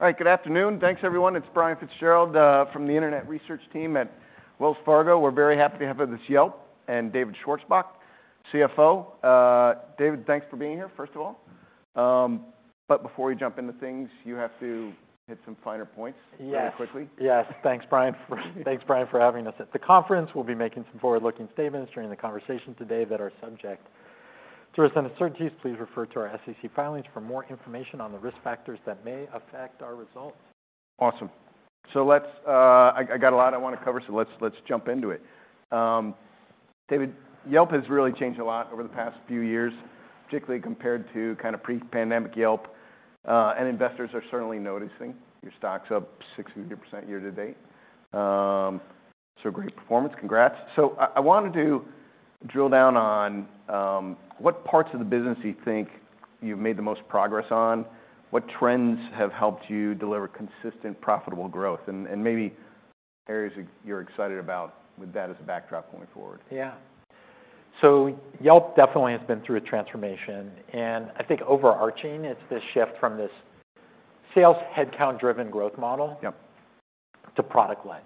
All right, good afternoon. Thanks, everyone. It's Brian Fitzgerald from the internet research team at Wells Fargo. We're very happy to have with us Yelp and David Schwarzbach, CFO. David, thanks for being here, first of all. But before we jump into things, you have to hit some finer points- Yes. -very quickly. Yes. Thanks, Brian, for having us at the conference. We'll be making some forward-looking statements during the conversation today that are subject to certain uncertainties. Please refer to our SEC filings for more information on the risk factors that may affect our results. Awesome. So let's... I got a lot I wanna cover, so let's jump into it. David, Yelp has really changed a lot over the past few years, particularly compared to kinda pre-pandemic Yelp, and investors are certainly noticing. Your stock's up 60% year to date. So great performance. Congrats. So I wanted to drill down on what parts of the business do you think you've made the most progress on? What trends have helped you deliver consistent, profitable growth? And maybe areas you're excited about with that as a backdrop going forward. Yeah. So Yelp definitely has been through a transformation, and I think overarching, it's the shift from this sales headcount-driven growth model- Yep. - to product-led.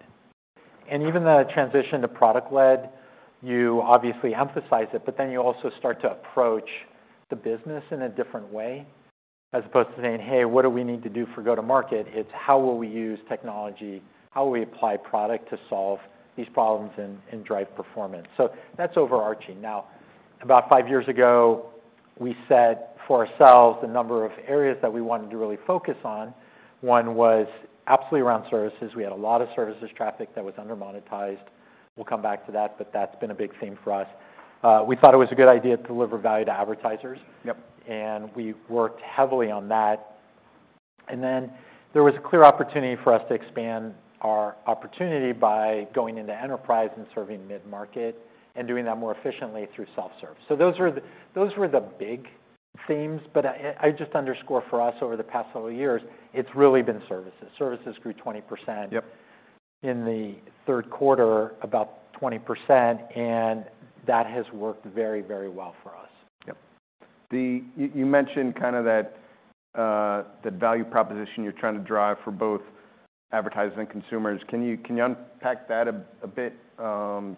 And even the transition to product-led, you obviously emphasize it, but then you also start to approach the business in a different way. As opposed to saying, "Hey, what do we need to do for go-to-market?" It's, "How will we use technology? How will we apply product to solve these problems and, and drive performance?" So that's overarching. Now, about five years ago, we said for ourselves, the number of areas that we wanted to really focus on, one was absolutely around services. We had a lot of services traffic that was under-monetized. We'll come back to that, but that's been a big theme for us. We thought it was a good idea to deliver value to advertisers. Yep. We worked heavily on that. Then there was a clear opportunity for us to expand our opportunity by going into enterprise and serving mid-market, and doing that more efficiently through self-service. Those were the, those were the big themes, but I, I just underscore for us, over the past several years, it's really been services. Services grew 20%- Yep. In the third quarter, about 20%, and that has worked very, very well for us. Yep. You mentioned kinda that the value proposition you're trying to drive for both advertisers and consumers. Can you unpack that a bit? How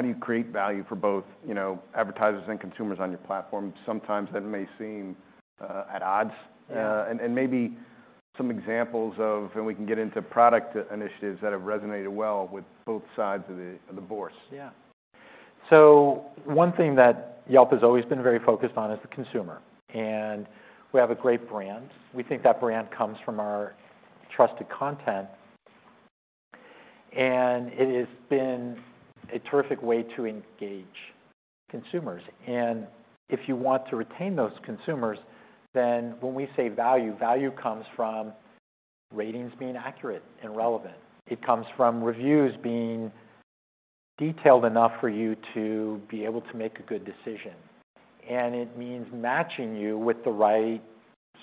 do you create value for both, you know, advertisers and consumers on your platform? Sometimes that may seem at odds. Yeah. And maybe some examples of... And we can get into product initiatives that have resonated well with both sides of the business. Yeah. So one thing that Yelp has always been very focused on is the consumer, and we have a great brand. We think that brand comes from our trusted content, and it has been a terrific way to engage consumers. If you want to retain those consumers, then when we say value, value comes from ratings being accurate and relevant. It comes from reviews being detailed enough for you to be able to make a good decision, and it means matching you with the right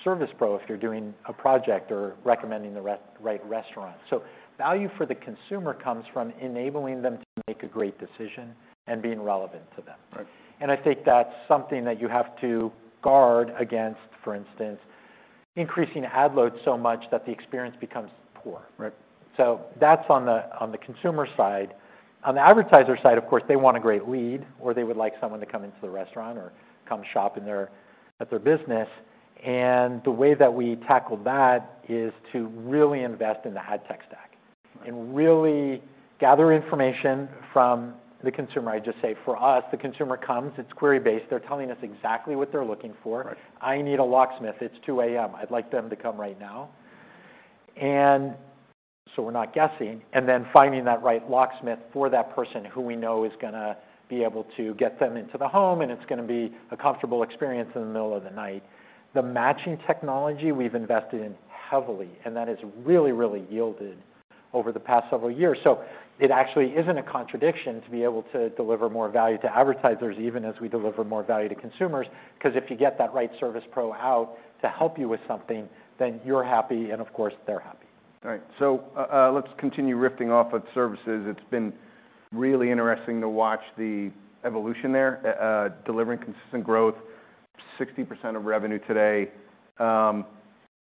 service pro if you're doing a project or recommending the right restaurant. So value for the consumer comes from enabling them to make a great decision and being relevant to them. Right. I think that's something that you have to guard against, for instance, increasing ad load so much that the experience becomes poor. Right. So that's on the consumer side. On the advertiser side, of course, they want a great lead, or they would like someone to come into the restaurant or come shop at their business. And the way that we tackle that is to really invest in the ad tech stack- Right. and really gather information from the consumer. I just say, for us, the consumer comes, it's query-based, they're telling us exactly what they're looking for. Right. I need a locksmith. It's 2:00 A.M. I'd like them to come right now." And so we're not guessing, and then finding that right locksmith for that person who we know is gonna be able to get them into the home, and it's gonna be a comfortable experience in the middle of the night. The matching technology, we've invested in heavily, and that has really, really yielded over the past several years. So it actually isn't a contradiction to be able to deliver more value to advertisers, even as we deliver more value to consumers, 'cause if you get that right service pro out to help you with something, then you're happy, and of course, they're happy. All right. So, let's continue riffing off of services. It's been really interesting to watch the evolution there, delivering consistent growth, 60% of revenue today.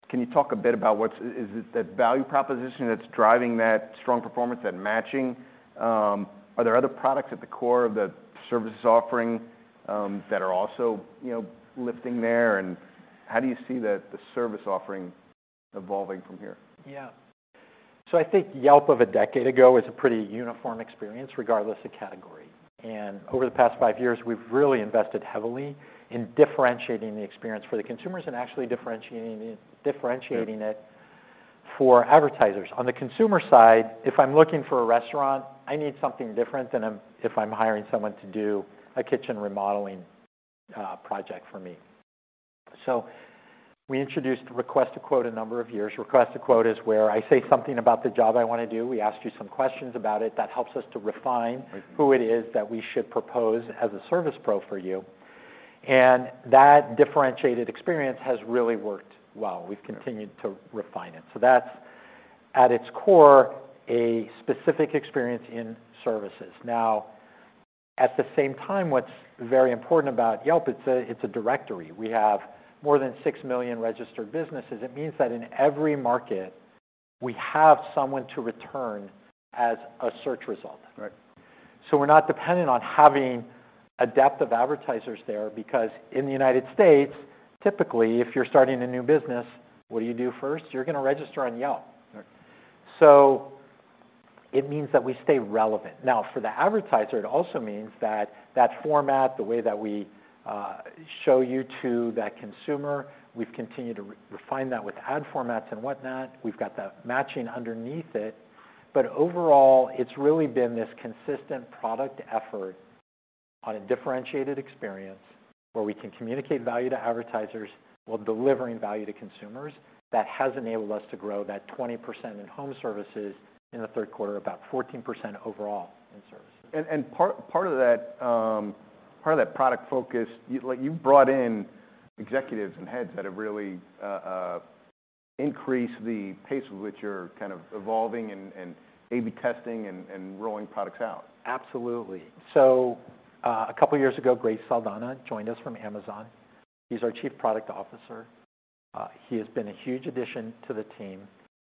Can you talk a bit about what is it the value proposition that's driving that strong performance, that matching? Are there other products at the core of the services offering, that are also, you know, lifting there, and how do you see the service offering evolving from here? Yeah. So I think Yelp of a decade ago was a pretty uniform experience, regardless of category. Over the past five years, we've really invested heavily in differentiating the experience for the consumers and actually differentiating it. Yep. for advertisers. On the consumer side, if I'm looking for a restaurant, I need something different than if, if I'm hiring someone to do a kitchen remodeling project for me. So we introduced Request a Quote a number of years. Request a Quote is where I say something about the job I wanna do. We ask you some questions about it. That helps us to refine- Right. who it is that we should propose as a service pro for you, and that differentiated experience has really worked well. Right. We've continued to refine it. So that's at its core, a specific experience in services. Now, at the same time, what's very important about Yelp, it's a directory. We have more than 6 million registered businesses. It means that in every market, we have someone to return as a search result. Right. So we're not dependent on having a depth of advertisers there, because in the United States, typically, if you're starting a new business, what do you do first? You're gonna register on Yelp. Right. So it means that we stay relevant. Now, for the advertiser, it also means that that format, the way that we show you to that consumer, we've continued to refine that with ad formats and whatnot. We've got the matching underneath it. But overall, it's really been this consistent product effort on a differentiated experience where we can communicate value to advertisers while delivering value to consumers, that has enabled us to grow that 20% in home services in the third quarter, about 14% overall in services. Part of that product focus, like, you've brought in executives and heads that have really increased the pace with which you're kind of evolving and A/B testing and rolling products out. Absolutely. So, a couple of years ago, Craig Saldanha joined us from Amazon. He's our Chief Product Officer. He has been a huge addition to the team.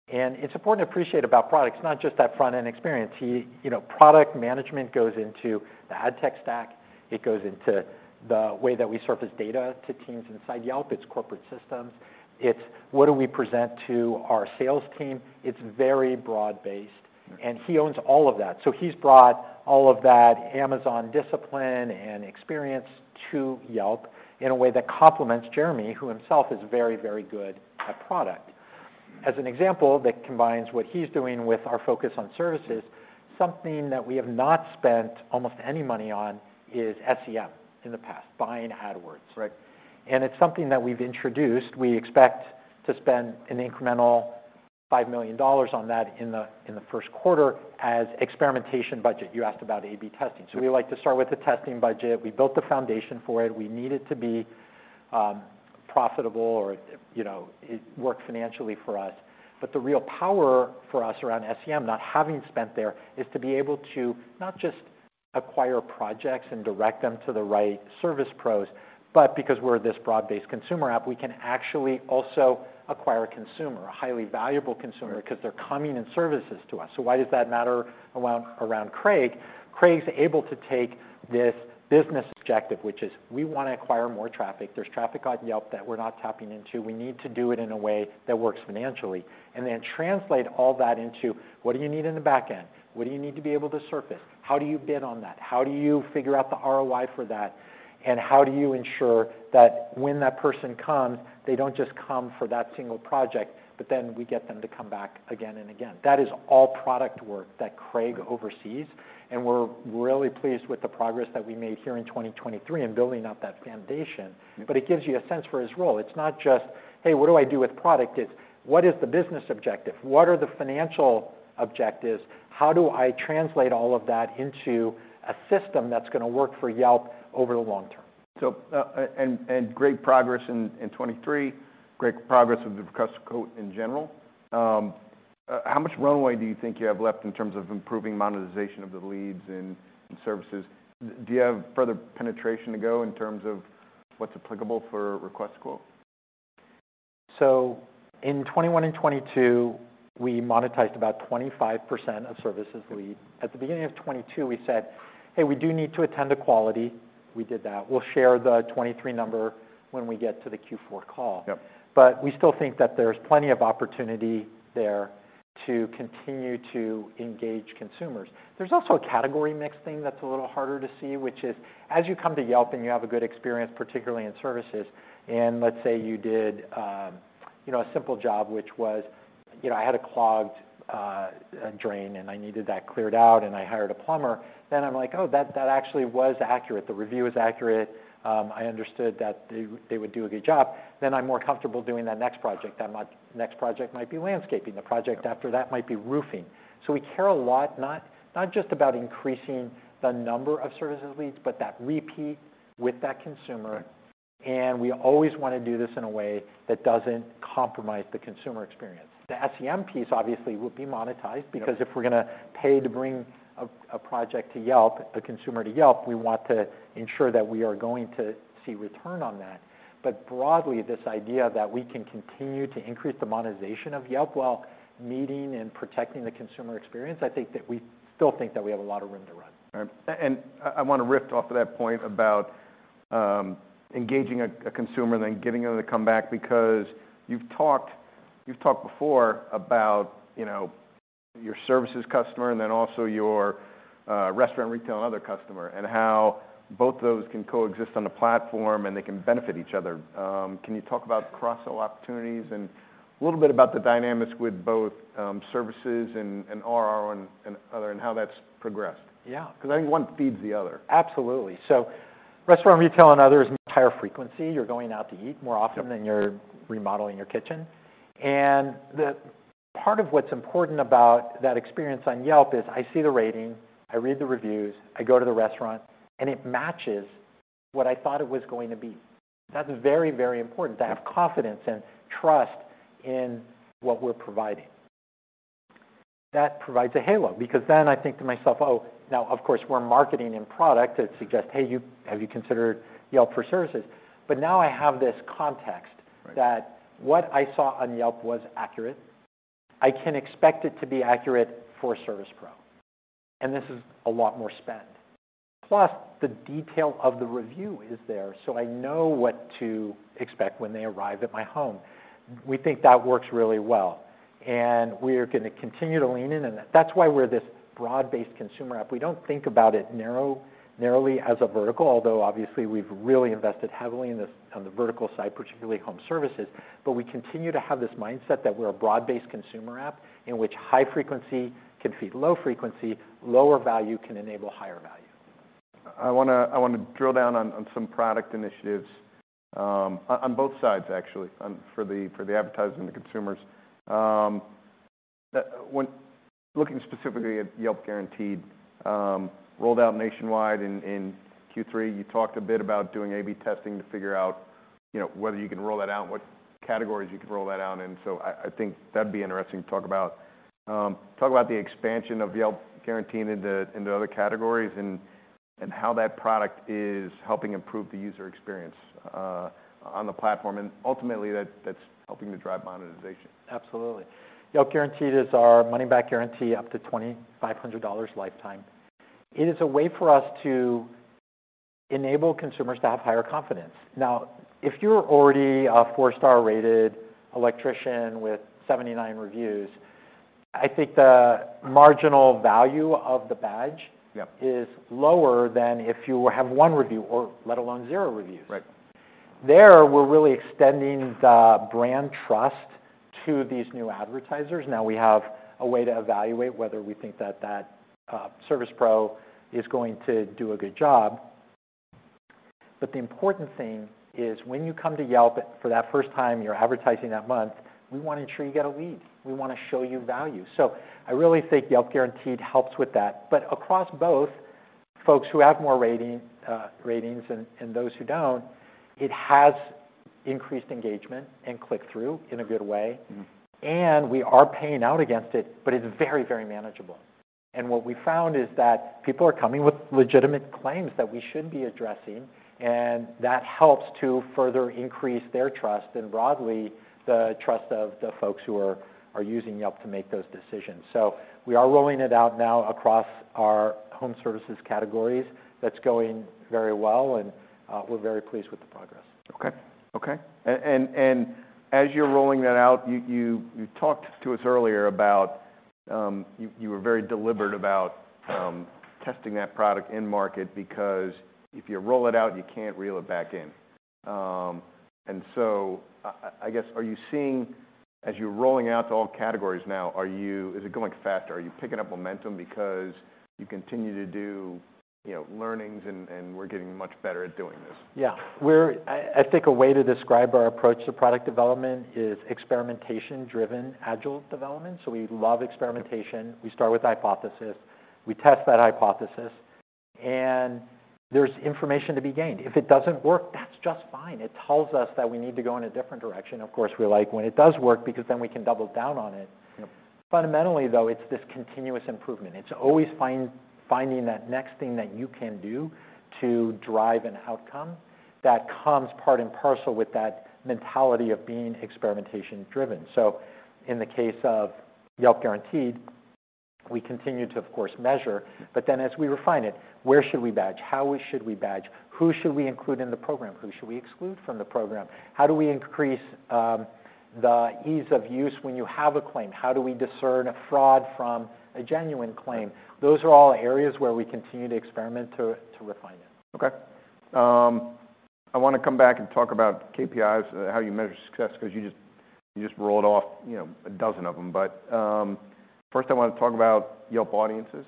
It's important to appreciate about products, not just that front-end experience. You know, product management goes into the ad tech stack, it goes into the way that we surface data to teams inside Yelp, it's corporate systems, it's what do we present to our sales team? It's very broad-based. Mm. He owns all of that. So he's brought all of that Amazon discipline and experience to Yelp in a way that complements Jeremy, who himself is very, very good at product. As an example that combines what he's doing with our focus on services, something that we have not spent almost any money on is SEM in the past, buying AdWords. Right. And it's something that we've introduced. We expect to spend an incremental $5 million on that in the first quarter as experimentation budget. You asked about A/B testing. Sure. So we like to start with the testing budget. We built the foundation for it. We need it to be profitable or, you know, it work financially for us. But the real power for us around SEM, not having spent there, is to be able to not just acquire projects and direct them to the right service pros, but because we're this broad-based consumer app, we can actually also acquire a consumer, a highly valuable consumer- Right.... 'cause they're coming in services to us. So why does that matter around Craig? Craig's able to take this business objective, which is, we wanna acquire more traffic. There's traffic on Yelp that we're not tapping into. We need to do it in a way that works financially, and then translate all that into: what do you need in the back end? What do you need to be able to surface? How do you bid on that? How do you figure out the ROI for that? And how do you ensure that when that person comes, they don't just come for that single project, but then we get them to come back again and again? That is all product work that Craig oversees, and we're really pleased with the progress that we made here in 2023 in building out that foundation. Yep. But it gives you a sense for his role. It's not just, "Hey, what do I do with product?" It's, "What is the business objective? What are the financial objectives? How do I translate all of that into a system that's gonna work for Yelp over the long term? So, great progress in 2023. Great progress with the Request a Quote in general. How much runway do you think you have left in terms of improving monetization of the leads and services? Do you have further penetration to go in terms of what's applicable for Request a Quote? In 2021 and 2022, we monetized about 25% of services leads. Right. At the beginning of 2022, we said, "Hey, we do need to attend to quality." We did that. We'll share the 2023 number when we get to the Q4 call. Yep. But we still think that there's plenty of opportunity there to continue to engage consumers. There's also a category mix thing that's a little harder to see, which is, as you come to Yelp and you have a good experience, particularly in services, and let's say you did, you know, a simple job, which was, you know, I had a clogged a drain, and I needed that cleared out, and I hired a plumber. Then I'm like: Oh, that, that actually was accurate. The review is accurate. I understood that they, they would do a good job. Then I'm more comfortable doing that next project. That next project might be landscaping. Yep. The project after that might be roofing. So we care a lot, not just about increasing the number of services leads, but that repeat with that consumer. Right. We always wanna do this in a way that doesn't compromise the consumer experience. The SEM piece, obviously, will be monetized- Yep.... because if we're gonna pay to bring a project to Yelp, the consumer to Yelp, we want to ensure that we are going to see return on that. But broadly, this idea that we can continue to increase the monetization of Yelp while meeting and protecting the consumer experience, I think that we still think that we have a lot of room to run. Right. And I wanna riff off of that point about engaging a consumer, then getting them to come back, because you've talked, you've talked before about, you know, your services customer and then also your Restaurants, Retail and Other customer, and how both of those can coexist on the platform, and they can benefit each other. Can you talk about cross-sell opportunities and a little bit about the dynamics with both services and RR and other, and how that's progressed? Yeah. 'Cause I think one feeds the other. Absolutely. So, Restaurants, Retail and Other is entire frequency. You're going out to eat more often- Yep.... than you're remodeling your kitchen. And the part of what's important about that experience on Yelp is, I see the rating, I read the reviews, I go to the restaurant, and it matches... what I thought it was going to be. That is very, very important to have confidence and trust in what we're providing. That provides a halo because then I think to myself, "Oh, now, of course, we're marketing in product that suggests, 'Hey, you- have you considered Yelp for services?'" But now I have this context- Right. - that what I saw on Yelp was accurate. I can expect it to be accurate for service pro, and this is a lot more spend. Plus, the detail of the review is there, so I know what to expect when they arrive at my home. We think that works really well, and we are gonna continue to lean in, and that's why we're this broad-based consumer app. We don't think about it narrowly as a vertical, although obviously we've really invested heavily on the vertical side, particularly home services. But we continue to have this mindset that we're a broad-based consumer app, in which high frequency can feed low frequency, lower value can enable higher value. I wanna drill down on some product initiatives, on both sides, actually, for the advertisers and the consumers. When looking specifically at Yelp Guaranteed, rolled out nationwide in Q3, you talked a bit about doing A/B testing to figure out, you know, whether you can roll that out, what categories you can roll that out in. So I think that'd be interesting to talk about. Talk about the expansion of Yelp Guaranteed into other categories and how that product is helping improve the user experience on the platform, and ultimately, that's helping to drive monetization. Absolutely. Yelp Guaranteed is our money-back guarantee, up to $2,500 lifetime. It is a way for us to enable consumers to have higher confidence. Now, if you're already a four-star rated electrician with 79 reviews, I think the marginal value of the badge- Yep. is lower than if you have one review or let alone zero reviews. Right. There, we're really extending the brand trust to these new advertisers. Now, we have a way to evaluate whether we think that that service pro is going to do a good job. But the important thing is when you come to Yelp for that first time, you're advertising that month, we wanna ensure you get a lead. We wanna show you value. So I really think Yelp Guaranteed helps with that. But across both folks who have more rating, ratings and those who don't, it has increased engagement and click-through in a good way. Mm-hmm. We are paying out against it, but it's very, very manageable. What we found is that people are coming with legitimate claims that we should be addressing, and that helps to further increase their trust and broadly, the trust of the folks who are using Yelp to make those decisions. We are rolling it out now across our home services categories. That's going very well, and we're very pleased with the progress. Okay. Okay. As you're rolling that out, you talked to us earlier about you were very deliberate about testing that product in market because if you roll it out, you can't reel it back in. And so I guess, are you seeing, as you're rolling out to all categories now, is it going faster? Are you picking up momentum because you continue to do, you know, learnings and we're getting much better at doing this? Yeah. I think a way to describe our approach to product development is experimentation-driven, agile development. So we love experimentation. Yep. We start with hypothesis, we test that hypothesis, and there's information to be gained. If it doesn't work, that's just fine. It tells us that we need to go in a different direction. Of course, we like when it does work, because then we can double down on it. Yep. Fundamentally, though, it's this continuous improvement. Yep. It's always finding that next thing that you can do to drive an outcome that comes part and parcel with that mentality of being experimentation driven. So in the case of Yelp Guaranteed, we continue to, of course, measure, but then as we refine it, where should we badge? How should we badge? Who should we include in the program? Who should we exclude from the program? How do we increase the ease of use when you have a claim? How do we discern a fraud from a genuine claim? Right. Those are all areas where we continue to experiment to refine it. Okay. I wanna come back and talk about KPIs, how you measure success, 'cause you just rolled off, you know, a dozen of them. But first, I wanna talk about Yelp Audiences.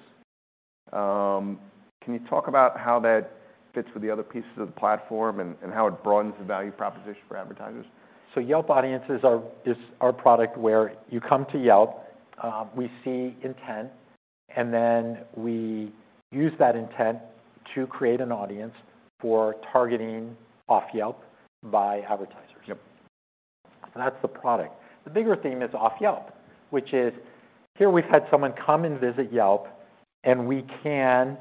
Can you talk about how that fits with the other pieces of the platform and how it broadens the value proposition for advertisers? So Yelp Audiences is our product where you come to Yelp, we see intent, and then we use that intent to create an audience for targeting off Yelp by advertisers. Yep. So that's the product. The bigger theme is off Yelp, which is, here we've had someone come and visit Yelp, and we can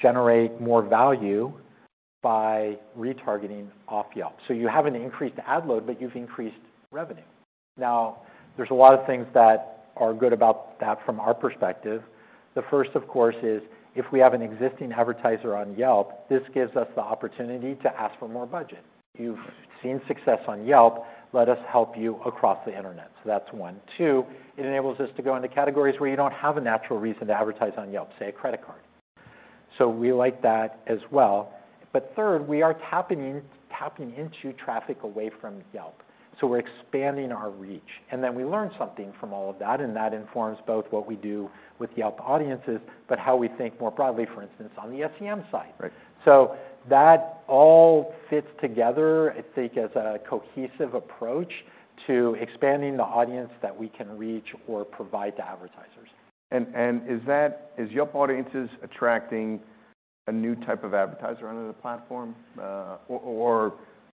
generate more value by retargeting off Yelp. So you haven't increased the ad load, but you've increased revenue. Now, there's a lot of things that are good about that from our perspective. The first, of course, is if we have an existing advertiser on Yelp, this gives us the opportunity to ask for more budget. "You've seen success on Yelp, let us help you across the internet." So that's one. Two, it enables us to go into categories where you don't have a natural reason to advertise on Yelp, say, a credit card. So we like that as well. But third, we are tapping into traffic away from Yelp, so we're expanding our reach. And then we learn something from all of that, and that informs both what we do with Yelp Audiences, but how we think more broadly, for instance, on the SEM side. Right. So that all fits together, I think, as a cohesive approach to expanding the audience that we can reach or provide to advertisers. And is Yelp Audiences attracting a new type of advertiser onto the platform,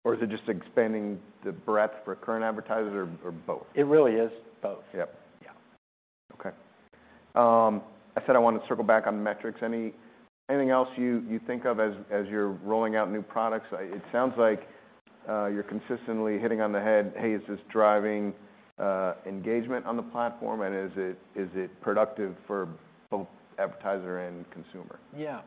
or is it just expanding the breadth for current advertisers, or both? It really is both. Yep. Yeah. Okay. I said I wanted to circle back on metrics. Anything else you think of as you're rolling out new products? It sounds like you're consistently hitting on the head, "Hey, is this driving engagement on the platform, and is it productive for both advertiser and consumer?" Yeah.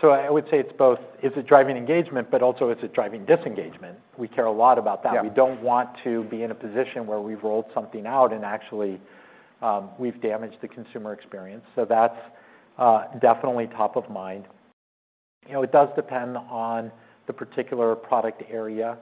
So I would say it's both: Is it driving engagement, but also, is it driving disengagement? We care a lot about that. Yeah. We don't want to be in a position where we've rolled something out, and actually, we've damaged the consumer experience. So that's definitely top of mind. You know, it does depend on the particular product area.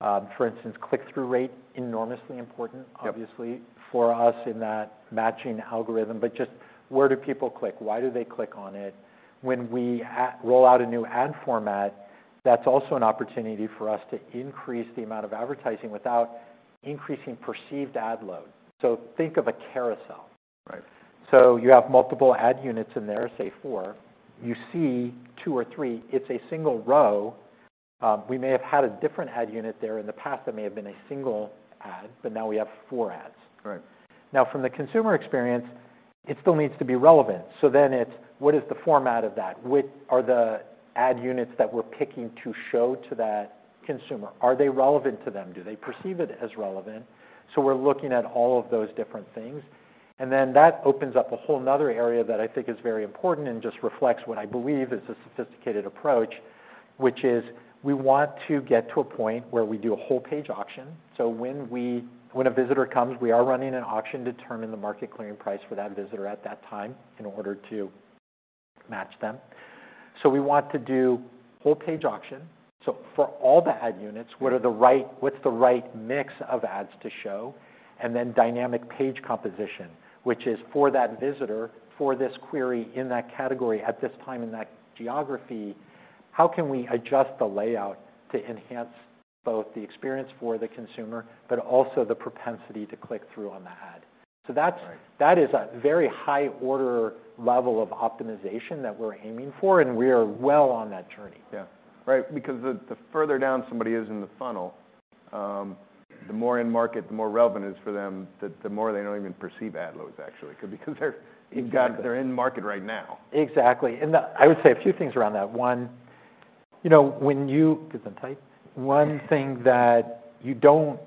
For instance, click-through rate, enormously important- Yep.... obviously, for us in that matching algorithm. But just where do people click? Why do they click on it? When we roll out a new ad format, that's also an opportunity for us to increase the amount of advertising without increasing perceived ad load. So think of a carousel. Right. So you have multiple ad units in there, say four. You see two or three. It's a single row. We may have had a different ad unit there in the past that may have been a single ad, but now we have four ads. Right. Now, from the consumer experience, it still needs to be relevant. So then it's, what is the format of that? Which are the ad units that we're picking to show to that consumer? Are they relevant to them? Do they perceive it as relevant? So we're looking at all of those different things, and then that opens up a whole 'nother area that I think is very important and just reflects what I believe is a sophisticated approach, which is, we want to get to a point where we do a whole page auction. So when a visitor comes, we are running an auction to determine the market clearing price for that visitor at that time in order to match them. So we want to do whole page auction. So for all the ad units- Yep.... what's the right mix of ads to show? And then dynamic page composition, which is for that visitor, for this query, in that category, at this time, in that geography, how can we adjust the layout to enhance both the experience for the consumer, but also the propensity to click through on the ad? Right. That is a very high order level of optimization that we're aiming for, and we are well on that journey. Yeah. Right, because the further down somebody is in the funnel, the more in market, the more relevant it is for them, the more they don't even perceive ad loads, actually, because they're- Exactly.... they're in market right now. Exactly. And I would say a few things around that. One, you know, one thing that you don't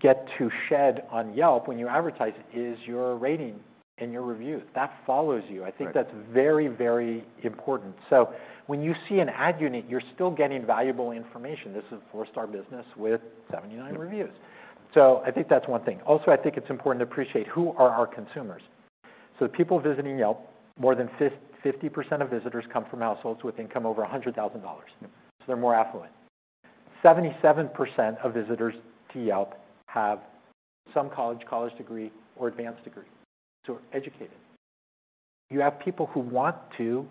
get to shed on Yelp when you advertise is your rating and your review. That follows you. Right. I think that's very, very important. So when you see an ad unit, you're still getting valuable information. This is a four-star business with 79 reviews. So I think that's one thing. Also, I think it's important to appreciate who are our consumers. So people visiting Yelp, more than 50% of visitors come from households with income over $100,000. Yep. So they're more affluent. 77% of visitors to Yelp have some college, college degree, or advanced degree, so educated. You have people who want to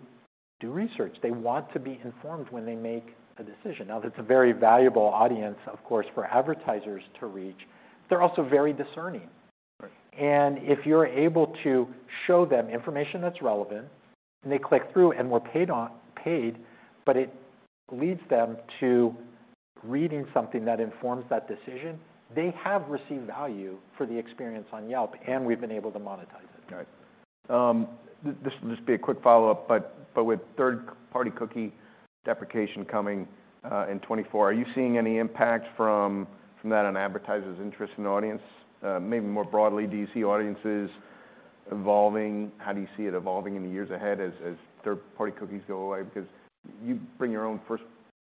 do research. They want to be informed when they make a decision. Now, that's a very valuable audience, of course, for advertisers to reach. They're also very discerning. Right. If you're able to show them information that's relevant and they click through and we're paid, but it leads them to reading something that informs that decision, they have received value for the experience on Yelp, and we've been able to monetize it. Got it. This will just be a quick follow-up, but with third-party cookie deprecation coming in 2024, are you seeing any impact from that on advertisers' interest in audience? Maybe more broadly, do you see audiences evolving? How do you see it evolving in the years ahead as third-party cookies go away? Because you bring your own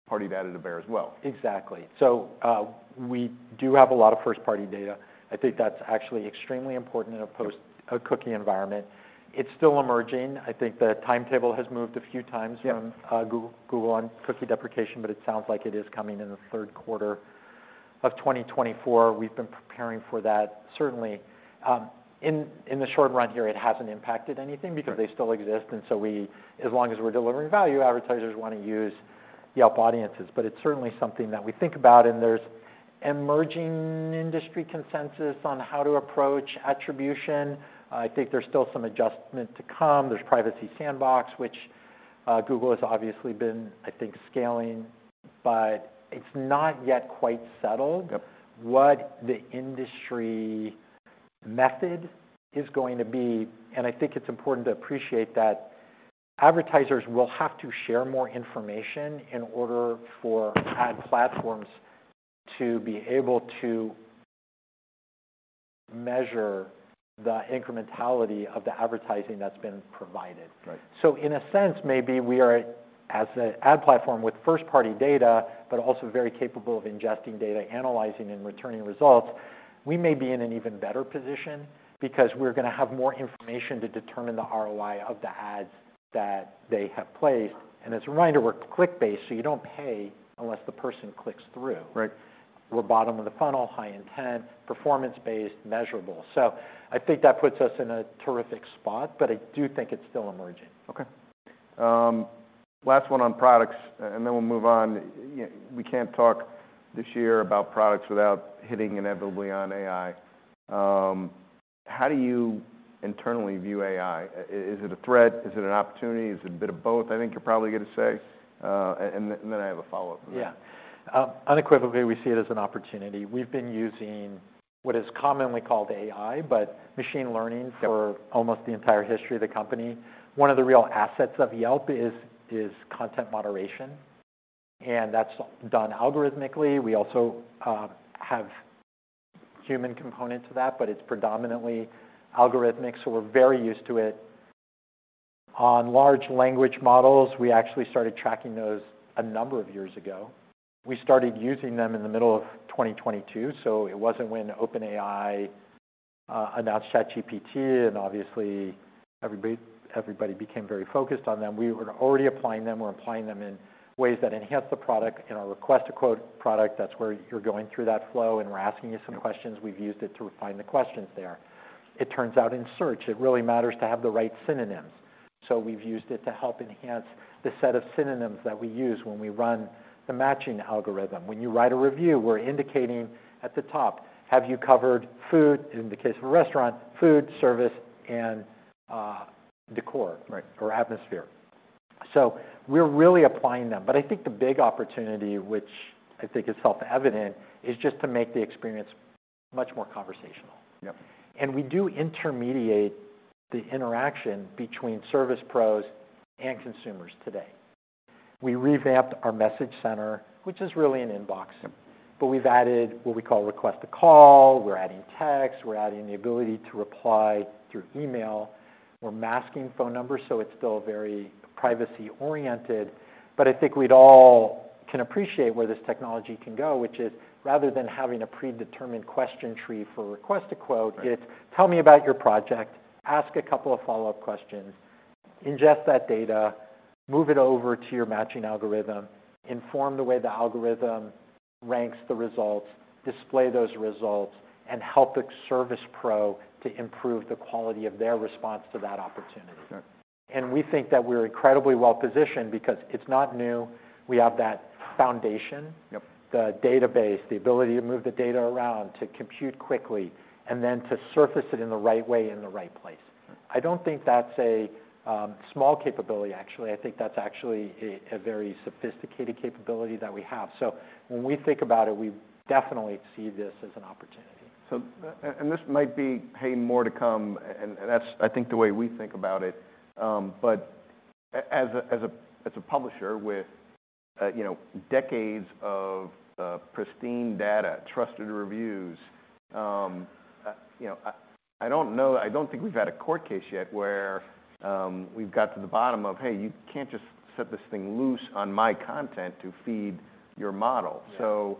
first-party data to bear as well. Exactly. So, we do have a lot of first-party data. I think that's actually extremely important in a post- Yep.... a cookie environment. It's still emerging. I think the timetable has moved a few times- Yep.... from Google, Google on cookie deprecation, but it sounds like it is coming in the third quarter of 2024. We've been preparing for that. Certainly, in the short run here, it hasn't impacted anything- Right.... because they still exist, and so we as long as we're delivering value, advertisers wanna use Yelp Audiences. But it's certainly something that we think about, and there's emerging industry consensus on how to approach attribution. I think there's still some adjustment to come. There's Privacy Sandbox, which Google has obviously been, I think, scaling, but it's not yet quite settled- Yep.... what the industry method is going to be. I think it's important to appreciate that advertisers will have to share more information in order for ad platforms to be able to measure the incrementality of the advertising that's been provided. Right. So in a sense, maybe we are, as an ad platform with first-party data, but also very capable of ingesting data, analyzing, and returning results, we may be in an even better position because we're gonna have more information to determine the ROI of the ads that they have placed. And as a reminder, we're click-based, so you don't pay unless the person clicks through. Right. We're bottom of the funnel, high intent, performance-based, measurable. So I think that puts us in a terrific spot, but I do think it's still emerging. Okay. Last one on products, and then we'll move on. We can't talk this year about products without hitting inevitably on AI. How do you internally view AI? Is it a threat? Is it an opportunity? Is it a bit of both, I think you're probably going to say. And then I have a follow-up to that. Yeah. Unequivocally, we see it as an opportunity. We've been using what is commonly called AI, but machine learning- Yep. For almost the entire history of the company. One of the real assets of Yelp is content moderation, and that's done algorithmically. We also have a human component to that, but it's predominantly algorithmic, so we're very used to it. On large language models, we actually started tracking those a number of years ago. We started using them in the middle of 2022, so it wasn't when OpenAI announced ChatGPT, and obviously, everybody became very focused on them. We were already applying them. We're applying them in ways that enhance the product. In our Request a Quote product, that's where you're going through that flow, and we're asking you some questions. We've used it to refine the questions there. It turns out, in search, it really matters to have the right synonyms, so we've used it to help enhance the set of synonyms that we use when we run the matching algorithm. When you write a review, we're indicating at the top, have you covered food, in the case of a restaurant, food, service, and decor- Right. or atmosphere. So we're really applying them. But I think the big opportunity, which I think is self-evident, is just to make the experience much more conversational. Yep. We do intermediate the interaction between service pros and consumers today. We revamped our message center, which is really an inbox. Yep. But we've added what we call Request a Call. We're adding text. We're adding the ability to reply through email. We're masking phone numbers, so it's still very privacy-oriented. But I think we'd all can appreciate where this technology can go, which is, rather than having a predetermined question tree for Request a Quote- Right.... it's tell me about your project, ask a couple of follow-up questions, ingest that data, move it over to your matching algorithm, inform the way the algorithm ranks the results, display those results, and help the service pro to improve the quality of their response to that opportunity. Right. We think that we're incredibly well-positioned because it's not new. We have that foundation- Yep. - the database, the ability to move the data around, to compute quickly, and then to surface it in the right way, in the right place. Yep. I don't think that's a small capability, actually. I think that's actually a very sophisticated capability that we have. So when we think about it, we definitely see this as an opportunity. So, this might be paying more to come, and that's, I think, the way we think about it. But as a publisher with, you know, decades of pristine data, trusted reviews, you know, I don't know - I don't think we've had a court case yet where we've got to the bottom of, "Hey, you can't just set this thing loose on my content to feed your model." Yeah.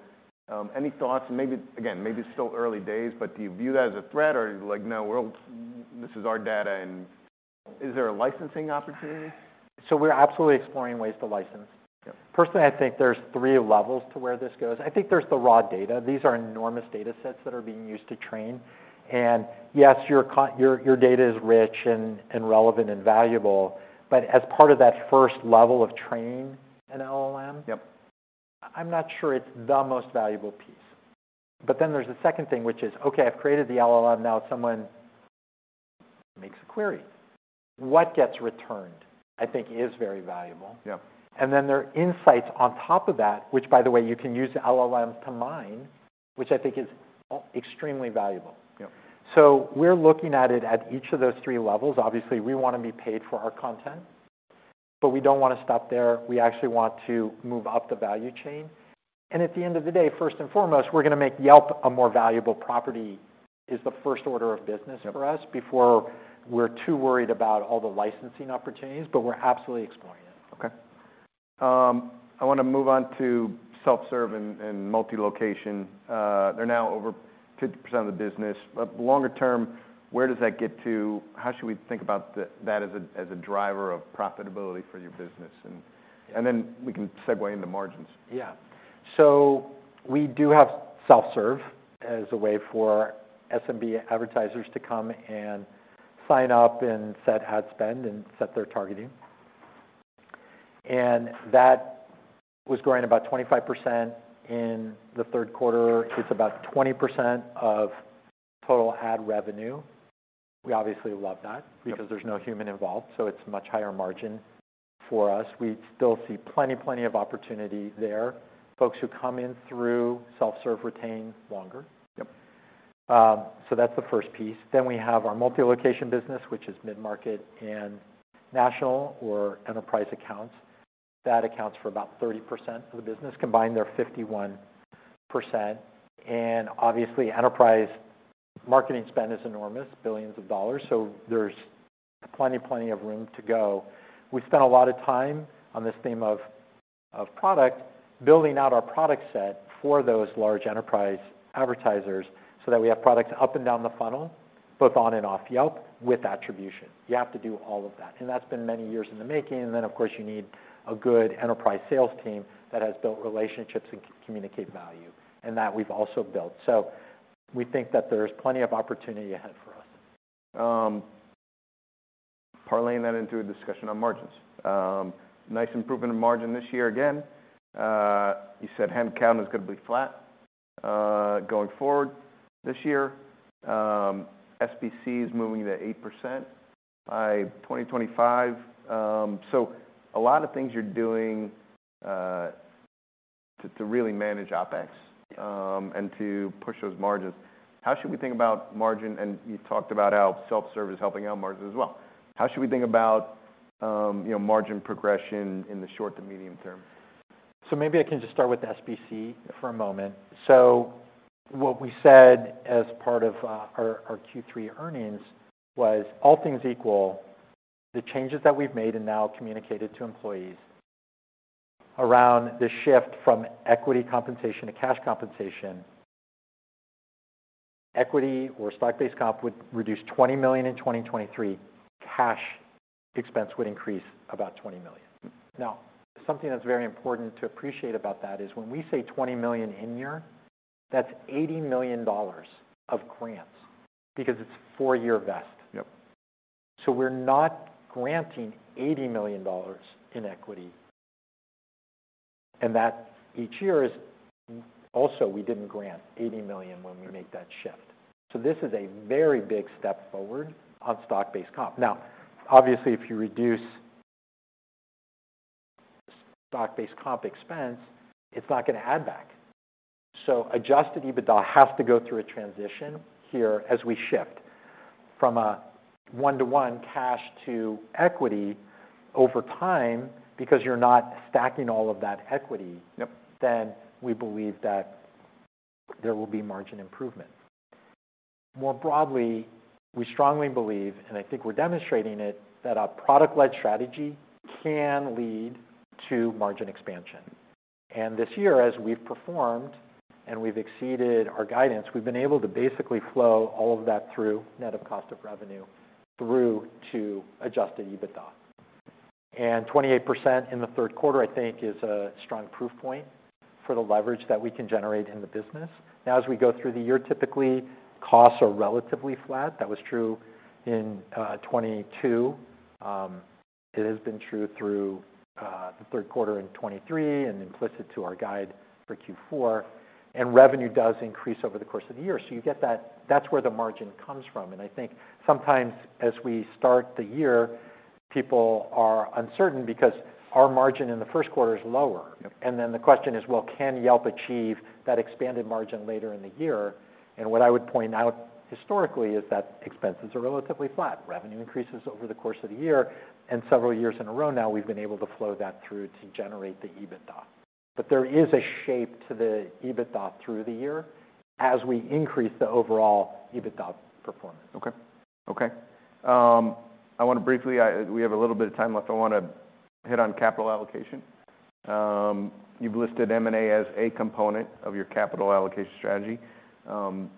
Any thoughts? Maybe, again, maybe it's still early days, but do you view that as a threat, or are you like, "No, we're... This is our data," and is there a licensing opportunity? We're absolutely exploring ways to license. Yep. Personally, I think there's three levels to where this goes. I think there's the raw data. These are enormous data sets that are being used to train. And yes, your data is rich and relevant and valuable, but as part of that first level of training an LLM- Yep.... I'm not sure it's the most valuable piece. But then there's a second thing, which is, okay, I've created the LLM, now someone makes a query. What gets returned, I think, is very valuable. Yep. And then there are insights on top of that, which, by the way, you can use the LLM to mine, which I think is extremely valuable. Yep. So we're looking at it at each of those three levels. Obviously, we want to be paid for our content, but we don't want to stop there. We actually want to move up the value chain. At the end of the day, first and foremost, we're going to make Yelp a more valuable property, is the first order of business- Yep.... for us before we're too worried about all the licensing opportunities, but we're absolutely exploring it. Okay. I want to move on to self-serve and multi-location. They're now over 50% of the business, but longer term, where does that get to? How should we think about that as a driver of profitability for your business? And- Yep. And then we can segue into margins. Yeah. So we do have self-serve as a way for SMB advertisers to come and sign up and set ad spend and set their targeting. That was growing about 25% in the third quarter. It's about 20% of total ad revenue. We obviously love that- Yep.... because there's no human involved, so it's much higher margin for us. We still see plenty, plenty of opportunity there. Folks who come in through self-serve retain longer. Yep. So that's the first piece. Then we have our multi-location business, which is mid-market and national or enterprise accounts. That accounts for about 30% of the business. Combined, they're 51%. And obviously, enterprise marketing spend is enormous, billions of dollars, so there's plenty, plenty of room to go. We spent a lot of time on this theme of product, building out our product set for those large enterprise advertisers, so that we have products up and down the funnel, both on and off Yelp, with attribution. You have to do all of that, and that's been many years in the making. And then, of course, you need a good enterprise sales team that has built relationships and communicate value, and that we've also built. So, we think that there's plenty of opportunity ahead for us. Parlaying that into a discussion on margins. Nice improvement in margin this year, again. You said headcount is gonna be flat, going forward this year. SBC is moving to 8% by 2025. So a lot of things you're doing, to really manage OpEx, and to push those margins. How should we think about margin? And you talked about how self-serve is helping out margins as well. How should we think about, you know, margin progression in the short to medium term? So maybe I can just start with SBC for a moment. So what we said as part of our Q3 earnings was, all things equal, the changes that we've made and now communicated to employees around the shift from equity compensation to cash compensation, equity or stock-based comp would reduce $20 million in 2023, cash expense would increase about $20 million. Now, something that's very important to appreciate about that is, when we say $20 million in-year, that's $80 million of grants because it's a four-year vest. Yep. So we're not granting $80 million in equity, and that each year is, also, we didn't grant $80 million when we make that shift. So this is a very big step forward on stock-based comp. Now, obviously, if you reduce stock-based comp expense, it's not gonna add back. So adjusted EBITDA has to go through a transition here as we shift from a one-to-one cash to equity over time, because you're not stacking all of that equity. Yep. Then we believe that there will be margin improvement. More broadly, we strongly believe, and I think we're demonstrating it, that our product-led strategy can lead to margin expansion. And this year, as we've performed and we've exceeded our guidance, we've been able to basically flow all of that through net of cost of revenue, through to adjusted EBITDA. And 28% in the third quarter, I think, is a strong proof point for the leverage that we can generate in the business. Now, as we go through the year, typically costs are relatively flat. That was true in 2022. It has been true through the third quarter in 2023, and implicit to our guide for Q4, and revenue does increase over the course of the year. So you get that. That's where the margin comes from. I think sometimes as we start the year, people are uncertain because our margin in the first quarter is lower. Yep. Then the question is: Well, can Yelp achieve that expanded margin later in the year? What I would point out historically is that expenses are relatively flat. Revenue increases over the course of the year, and several years in a row now, we've been able to flow that through to generate the EBITDA. But there is a shape to the EBITDA through the year as we increase the overall EBITDA performance. Okay. Okay. I wanna briefly... we have a little bit of time left. I wanna hit on capital allocation. You've listed M&A as a component of your capital allocation strategy.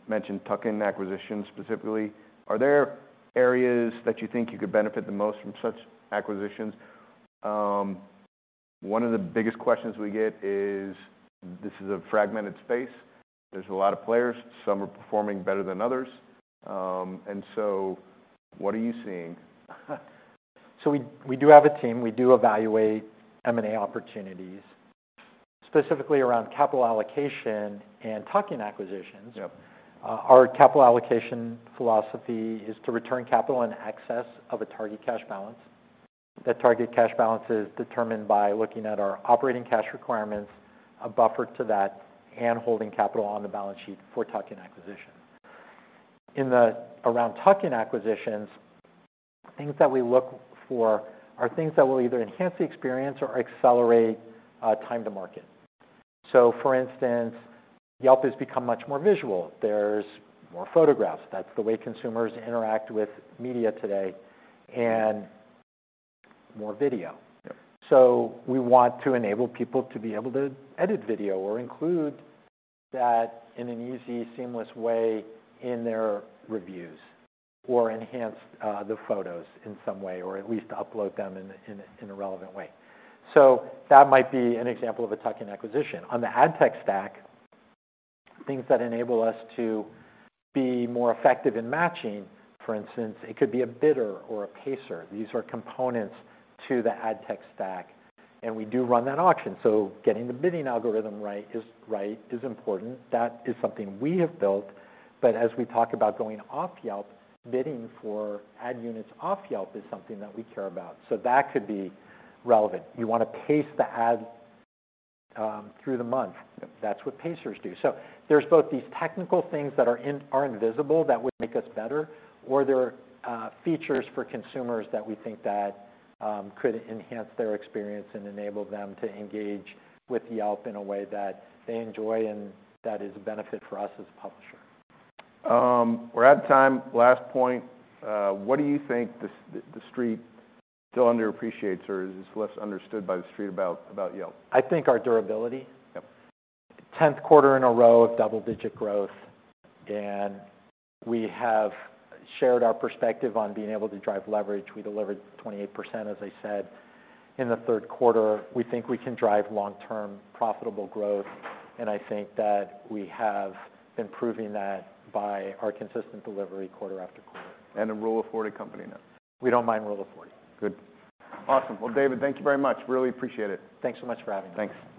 Mentioned tuck-in acquisitions, specifically. Are there areas that you think you could benefit the most from such acquisitions? One of the biggest questions we get is, this is a fragmented space. There's a lot of players, some are performing better than others. And so what are you seeing? So we do have a team. We do evaluate M&A opportunities, specifically around capital allocation and tuck-in acquisitions. Yep. Our capital allocation philosophy is to return capital in excess of a target cash balance. That target cash balance is determined by looking at our operating cash requirements, a buffer to that, and holding capital on the balance sheet for tuck-in acquisition. In around tuck-in acquisitions, things that we look for are things that will either enhance the experience or accelerate time to market. So for instance, Yelp has become much more visual. There's more photographs. That's the way consumers interact with media today, and more video. Yep. So we want to enable people to be able to edit video or include that in an easy, seamless way in their reviews, or enhance the photos in some way, or at least upload them in a relevant way. So that might be an example of a tuck-in acquisition. On the ad tech stack, things that enable us to be more effective in matching, for instance, it could be a bidder or a pacer. These are components to the ad tech stack, and we do run that auction. So getting the bidding algorithm right is important. That is something we have built. But as we talk about going off Yelp, bidding for ad units off Yelp is something that we care about, so that could be relevant. You wanna pace the ad through the month. Yep. That's what pacers do. So there's both these technical things that are invisible that would make us better, or they're features for consumers that we think that could enhance their experience and enable them to engage with Yelp in a way that they enjoy and that is a benefit for us as a publisher. We're out of time. Last point, what do you think the Street still underappreciates or is less understood by the Street about, about Yelp? I think our durability. Yep. 10th quarter in a row of double-digit growth, and we have shared our perspective on being able to drive leverage. We delivered 28%, as I said, in the third quarter. We think we can drive long-term profitable growth, and I think that we have been proving that by our consistent delivery quarter after quarter. The Rule of 40 company now. We don't mind Rule of 40. Good. Awesome. Well, David, thank you very much. Really appreciate it. Thanks so much for having me. Thanks.